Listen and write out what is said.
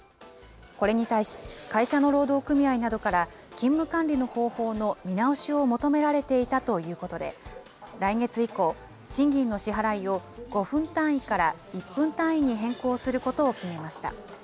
これに対し、会社の労働組合などから勤務管理の方法の見直しを求められていたということで、来月以降、賃金の支払いを５分単位から１分単位に変更することを決めました。